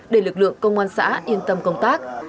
để lực lượng công an xã yên tâm công tác